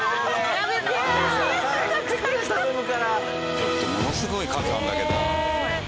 ちょっとものすごい数あるんだけど。